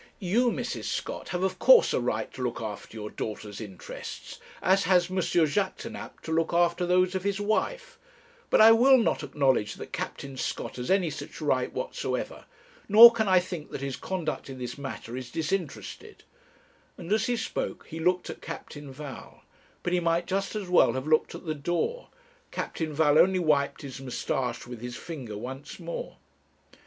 You, Mrs. Scott, have of course a right to look after your daughter's interests, as has M. Jaquêtanàpe to look after those of his wife; but I will not acknowledge that Captain Scott has any such right whatsoever, nor can I think that his conduct in this matter is disinterested;' and as he spoke he looked at Captain Val, but he might just as well have looked at the door; Captain Val only wiped his moustache with his finger once more.